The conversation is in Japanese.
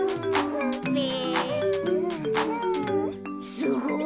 すごい。